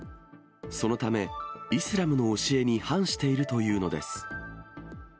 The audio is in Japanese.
そのため、イスラムの教えに反しているというのです。